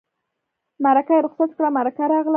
مرکه یې رخصت کړه مرکه راغله.